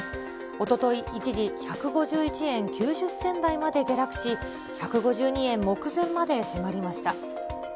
おととい、一時、１５１円９０銭台まで下落し、１５２円目前まで迫りました。